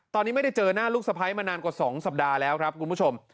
ตอนนี้ไม่ได้เจอหน้าลูกสะพ้ายมานานกว่า๒สัปดาห์แล้วครับคุณผู้ชม